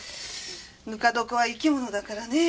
ぬか床は生き物だからね。